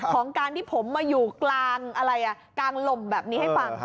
ของการที่ผมมาอยู่กลางอะไรกลางลมแบบนี้ให้ฟัง